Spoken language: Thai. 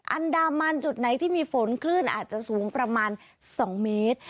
อันดามันจุดไหนที่มีฝนคลื่นอาจจะสูงประมาณ๒เมตร